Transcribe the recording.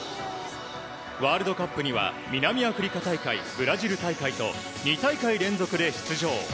ワールドカップには南アフリカ大会、ブラジル大会と２大会連続で出場。